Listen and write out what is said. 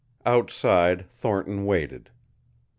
Outside Thornton waited.